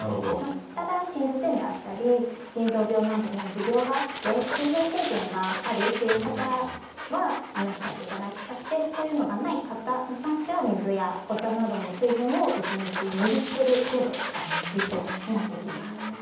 ただ心不全であったり腎臓病などの持病があって水分制限があるっていう方は控えていただきたくてそういうのがない方に関しては水やお茶などの水分を１日２Ｌ程度が理想になってきます。